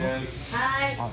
はい。